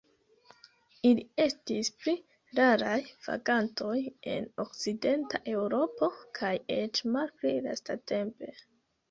Ili estis pli raraj vagantoj en okcidenta Eŭropo, kaj eĉ malpli lastatempe.